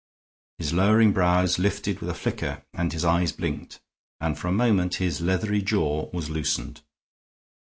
His lowering brows lifted with a flicker and his eyes blinked, and for a moment his leathery jaw was loosened.